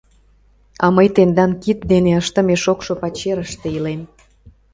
А мый тендан кид дене ыштыме шокшо пачерыште илем.